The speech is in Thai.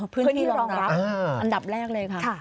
พื้นที่รองรับอันดับแรกเลยค่ะ